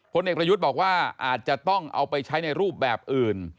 เอกประยุทธ์บอกว่าอาจจะต้องเอาไปใช้ในรูปแบบอื่น